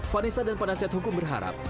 vanessa dan penasihat hukum berharap